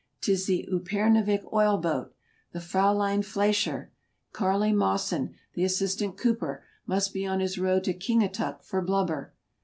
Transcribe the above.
" 'Tis the Upernavik oil boat! The ' Fraulein Flaischer! ' Carlie Mossyn, the assistant cooper, must be on his road to Kingatok for blub ber.